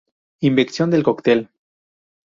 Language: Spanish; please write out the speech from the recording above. Invención del coctel.